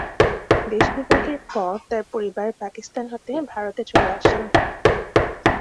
দেশবিভাগের পর তার পরিবার পাকিস্তান হতে ভারতে চলে আসেন।